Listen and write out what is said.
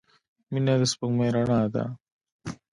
• مینه د سپوږمۍ رڼا ده.